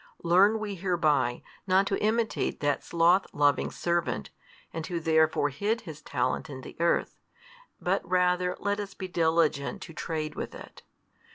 Learn we hereby, not to imitate that sloth loving servant, and who therefore hid his talent in the earth, but rather let us be diligent to trade with it.